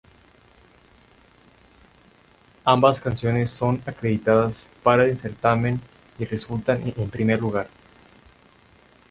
Ambas canciones son acreditadas para el certamen y resultan en primer lugar.